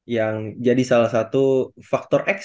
yang jadi salah satu faktor x